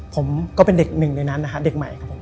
ผมจะเป็นเด็กหนึ่งในนั้นในการเป็นเด็กใหม่ครับผม